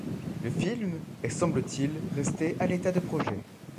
Le film est semble-t-il resté à l'état de projet.